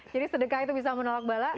jadi sedekah itu bisa menolak bala